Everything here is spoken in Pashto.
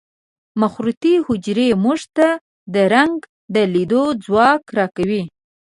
مخروطي حجرې موږ ته د رنګ د لیدلو ځواک را کوي.